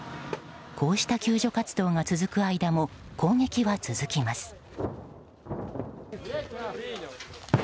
こうした救助活動が続く間も攻撃は続きます。